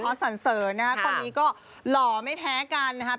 สันเสริญนะครับตอนนี้ก็หล่อไม่แพ้กันนะครับ